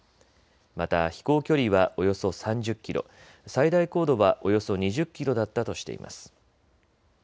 また飛行距離はおよそ３０キロ、最大高度はおよそ２０キロだったとしています。